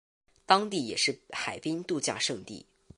当地也是海滨度假胜地。